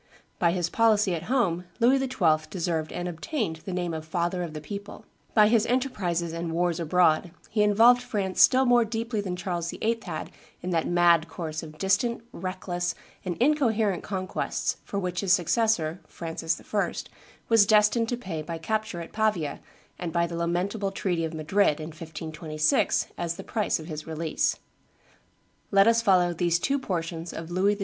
By his policy at home Louis XII. deserved and obtained the name of Father of the People; by his enterprises and wars abroad he involved France still more deeply than Charles VIII. had in that mad course of distant, reckless, and incoherent conquests for which his successor, Francis I., was destined to pay by capture at Pavia and by the lamentable treaty of Madrid, in 1526, as the price of his release. Let us follow these two portions of Louis XII.